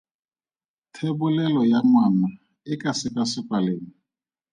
Thebolelo ya ngwana e ka sekasekwa leng?